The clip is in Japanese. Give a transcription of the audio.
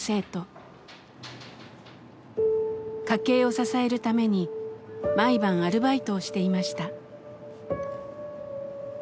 家計を支えるために毎晩アルバイトをしていました。